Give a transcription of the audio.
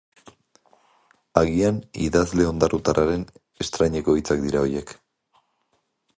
Agian, idazle ondarrutarraren estraineko hitzak dira horiek.